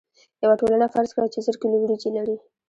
یوه ټولنه فرض کړئ چې زر کیلو وریجې لري.